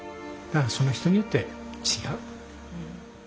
その人によって違う。